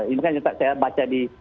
ini kan juga saya baca di